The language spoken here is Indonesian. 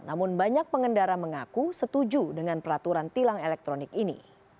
namun banyak pengendara mengaku setuju dengan peraturan tilang elektronik ini